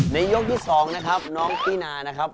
ในยกที่สองนะครับน้องปี้นานะครับ